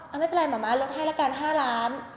เอาไม่เป็นไรมะม้าลดให้ละกัน๕ล้าน